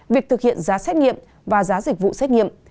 việc thực hiện giá xét nghiệm và giá dịch vụ xét nghiệm